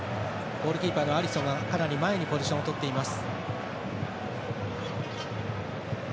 ゴールキーパーのアリソンがかなり前にポジションを取っています。